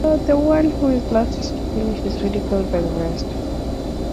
The one who is last to finish is ridiculed by the rest.